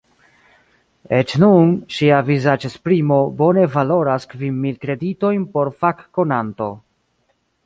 Eĉ nun, ŝia vizaĝesprimo bone valoras kvin mil kreditojn por fakkonanto.